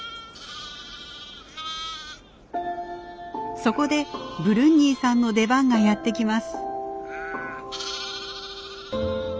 そこでブルンニーさんの出番がやって来ます。